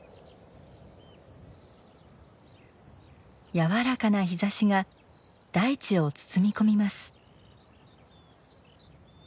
やわらかな日ざしが大地を包み込みます。